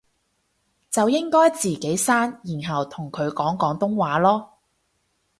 就應該自己生然後同佢講廣東話囉